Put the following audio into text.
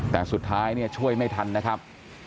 แต่สุดท้ายเนี่ยช่วยไม่ทันนะครับ